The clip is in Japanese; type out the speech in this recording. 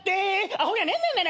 「アホやねんねんね